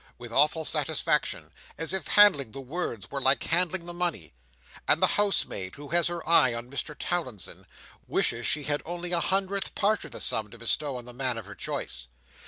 with awful satisfaction—as if handling the words were like handling the money; and the housemaid, who has her eye on Mr Towlinson, wishes she had only a hundredth part of the sum to bestow on the man of her choice.